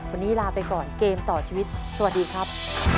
วันนี้ลาไปก่อนเกมต่อชีวิตสวัสดีครับ